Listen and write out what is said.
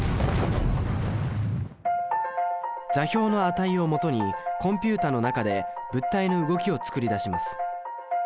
座標の値をもとにコンピュータの中で物体の動きを作り出します。